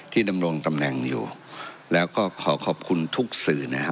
ดำรงตำแหน่งอยู่แล้วก็ขอขอบคุณทุกสื่อนะครับ